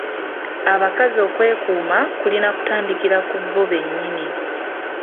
Abakakazi okwekuuma kulina kutandikira kubo be nnyini.